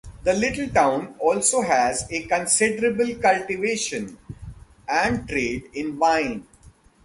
The little town also has a considerable cultivation and trade in wine.